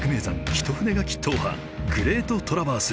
一筆書き踏破「グレートトラバース」。